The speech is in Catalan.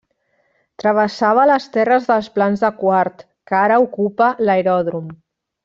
Travessava les terres dels Plans de Quart, que ara ocupa l'aeròdrom.